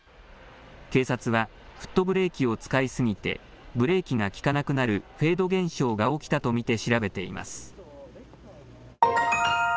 警察はフットブレーキを使いすぎてブレーキが利かなくなるフェード現象が起きたと見て調べています。